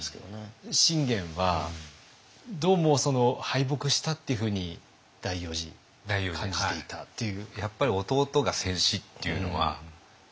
信玄はどうも敗北したっていうふうに第四次感じていたっていう。